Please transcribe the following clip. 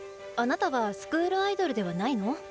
あなたはスクールアイドルではないの？